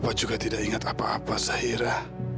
bapak juga tidak ingat apa apa zahira